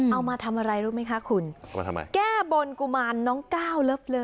เอามาทำอะไรรู้ไหมคะคุณแก้บนกุมารน้องเก้าเลิฟ